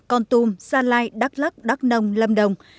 con tum gia lai đắk lắc đắk nông lâm đồng